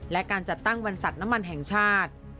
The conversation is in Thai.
และการจัดตั้งบรรษัทน้ำมันแห่งชาติ